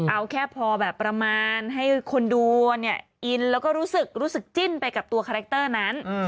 เอาแค่พอแบบประมาณให้คนดูเนี่ยอินแล้วก็รู้สึกรู้สึกจิ้นไปกับตัวคาแรคเตอร์นั้น